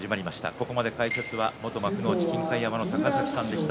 ここまで解説は元幕内金開山の高崎さんでした。